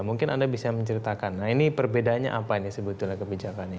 mungkin anda bisa menceritakan nah ini perbedaannya apa ini sebetulnya kebijakannya